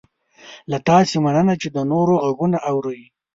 له تاسې مننه چې د نورو غږونه اورئ